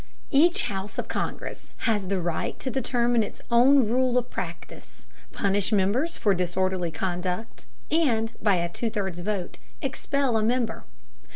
Each house of Congress has the right to determine its own rule of practice, punish members for disorderly conduct, and, by a two thirds vote, expel a member.